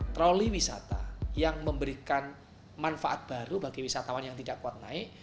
troli wisata yang memberikan manfaat baru bagi wisatawan yang tidak kuat naik